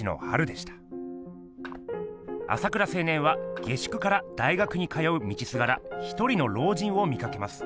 朝倉青年は下宿から大学に通う道すがらひとりの老人を見かけます。